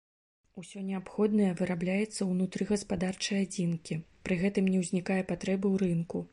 Усё неабходнае вырабляецца ўнутры гаспадарчай адзінкі, пры гэтым не ўзнікае патрэбы ў рынку.